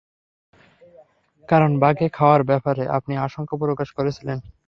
কারণ বাঘে খাওয়ার ব্যাপারে আপনি আশংকা প্রকাশ করেছিলেন।